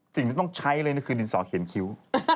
สิ่งที่ต้องใช้เลยนี่คือดินสอเขียนคิ้ว